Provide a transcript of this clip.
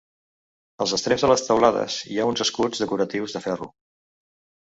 Als extrems de les teulades hi ha uns escuts decoratius de ferro.